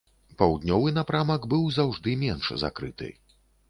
Паўднёвы напрамак быў заўжды менш закрыты.